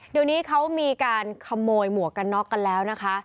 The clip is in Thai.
เดี๋ยวนี้เขามีการขโมยหมวกกันน็อกกันแล้วนะคะ